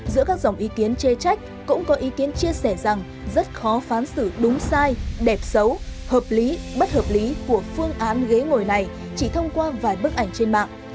giữa các dòng ý kiến chê trách cũng có ý kiến chia sẻ rằng rất khó phán xử đúng sai đẹp xấu hợp lý bất hợp lý của phương án ghế ngồi này chỉ thông qua vài bức ảnh trên mạng